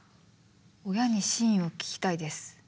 親に真意を聞きたいです。